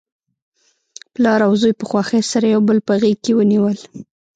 پلار او زوی په خوښۍ سره یو بل په غیږ کې ونیول.